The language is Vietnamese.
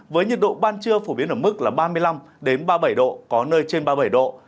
với nhiệt độ ban trưa phổ biến ở mức ba mươi năm ba mươi bảy độ có nơi trên ba mươi bảy độ